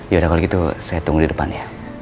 yaudah kalo gitu saya tunggu di depan ya